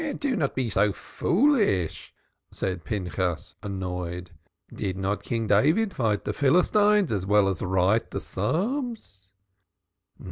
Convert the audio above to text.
"Be not so foolish," said Pinchas, annoyed. "Did not King David fight the Philistines as well as write the Psalms?"